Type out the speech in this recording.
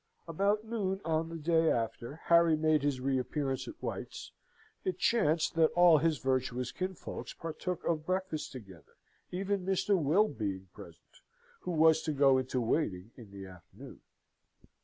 About noon on the day after Harry had made his reappearance at White's, it chanced that all his virtuous kinsfolks partook of breakfast together, even Mr. Will being present, who was to go into waiting in the afternoon.